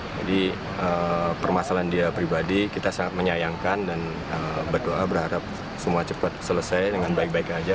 jadi permasalahan dia pribadi kita sangat menyayangkan dan berdoa berharap semua cepat selesai dengan baik baik saja